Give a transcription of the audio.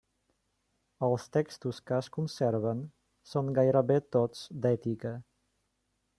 Els textos que es conserven són gairebé tots d'ètica.